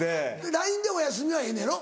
ＬＩＮＥで「おやすみ」はええのやろ？